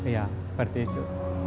ya seperti itu